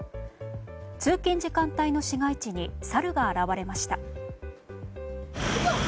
通勤時間帯の市街地にサルが現れました。